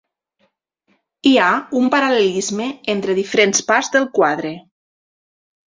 Hi ha un paral·lelisme entre diferents parts del quadre.